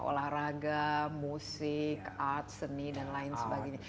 olahraga musik art seni dan lain sebagainya